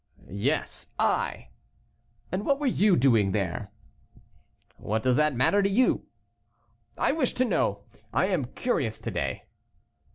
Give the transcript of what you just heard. "Yes, I." "And what were you doing there?" "What does that matter to you?" "I wish to know; I am curious to day."